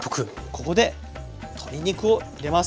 ここで鶏肉を入れます。